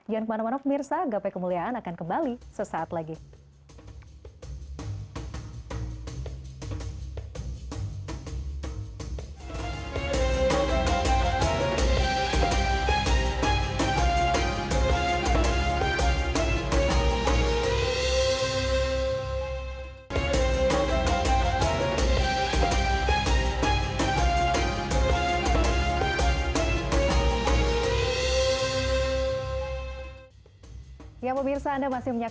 jangan kemana mana pemirsa